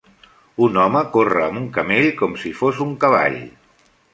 Un home corre amb un camell com si fos un cavall.